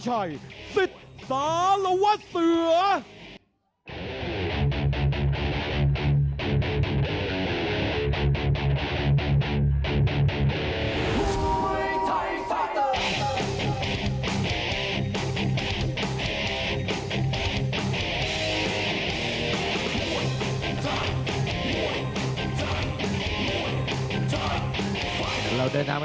ที่ดาร์ราษะ